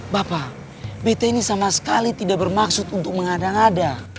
bapak bete ini sama sekali tidak bermaksud untuk mengadang adang